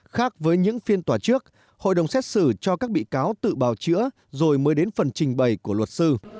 khác với những phiên tòa trước hội đồng xét xử cho các bị cáo tự bào chữa rồi mới đến phần trình bày của luật sư